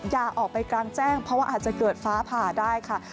อย่าออกไปกลางแจ้งเพราะว่าอาจจะเกิดฟ้าผ่าได้ค่ะ